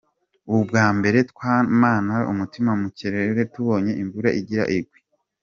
"Ubwa mbere twamana umutima mu kirere tubonye imvura igira igwe.